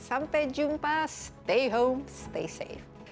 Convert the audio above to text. sampai jumpa stay home stay safe